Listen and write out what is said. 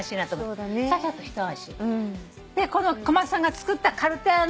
この小松さんが作ったかるた